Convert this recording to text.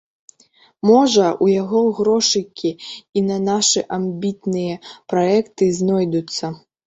Можа, у яго грошыкі і на нашы амбітныя праекты знойдуцца?